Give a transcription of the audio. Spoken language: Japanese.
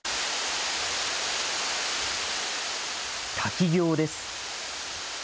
滝行です。